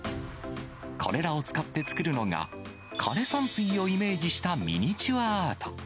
これらを使って作るのが、枯山水をイメージしたミニチュアアート。